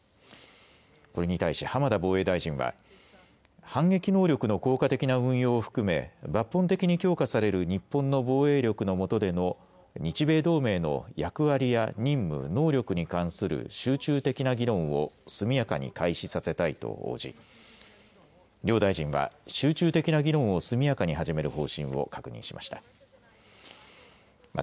これに対し浜田防衛大臣は反撃能力の効果的な運用を含め抜本的に強化される日本の防衛力のもとでの日米同盟の役割や任務、能力に関する集中的な議論を速やかに開始させたいと応じ両大臣は集中的な議論を速やかに始める方針を確認しました。